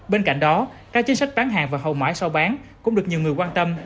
bên cạnh đó các chính sách bán hàng và hậu mãi sau bán cũng được nhiều người quan tâm